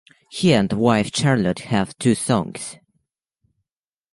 He and wife Charlotte have two sons.